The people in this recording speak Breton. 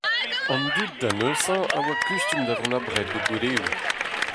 An dud, da neuze, a oa kustum da vont abred d'o gweleoù.